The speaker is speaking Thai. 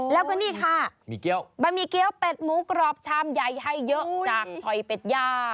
แล้วก็นี่ค่ะบะหมี่เกี้ยวเป็ดหมูกรอบชามใหญ่ให้เยอะจากหอยเป็ดย่า